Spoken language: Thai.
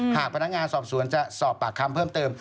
หากพนักงานสอบสวนจะสอบปากคำเพิ่มเติม